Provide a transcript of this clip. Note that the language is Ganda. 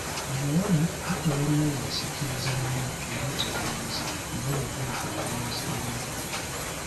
Abawala bo tebalina bibasikiriza nnyo eri abalenzi nga bwe guli ku balenzi eri bo.